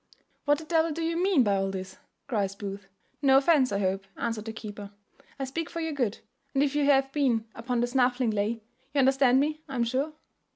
"What the devil do you mean by all this?" cries Booth. "No offence, I hope," answered the keeper: "I speak for your good; and if you have been upon the snaffling lay you understand me, I am sure."